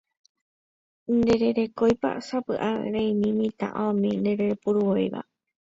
Ndererekóipa sapy'arei mitã aomi ndereipuruvéiva